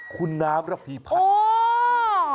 คุณน้ำระพีพันธ์